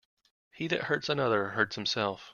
He that hurts another, hurts himself.